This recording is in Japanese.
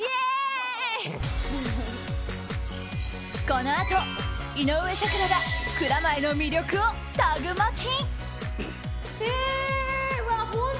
このあと、井上咲楽が蔵前の魅力をタグマチ。